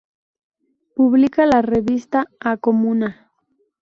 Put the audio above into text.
Publica la revista "A Comuna".